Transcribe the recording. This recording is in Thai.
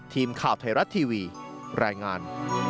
ทีมข่าวไทยรัฐทีวีรายงาน